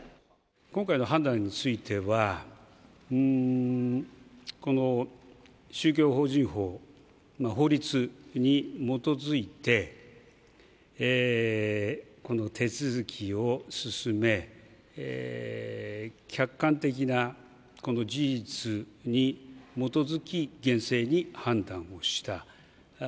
今回の判断については、宗教法人法の法律に基づいて、この手続きを進め、客観的なこの事実に基づき、厳正に判断をした。